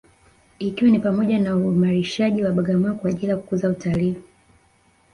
Ikiwa ni pamoja na uimarishaji wa Bagamoyo kwa ajili ya kukuza utalii